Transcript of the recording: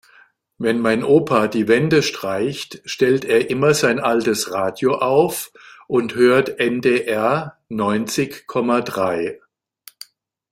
Wenn mein Opa die Wände streicht, stellt er immer sein altes Radio auf und hört NDR neunzig Komma drei.